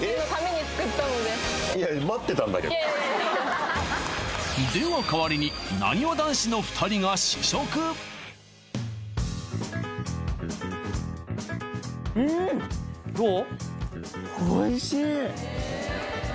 いやいやいやいやでは代わりになにわ男子の２人が試食どう？